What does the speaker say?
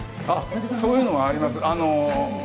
そういうのはあります。